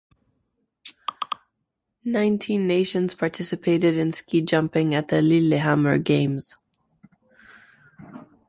Nineteen nations participated in ski jumping at the Lillehammer Games.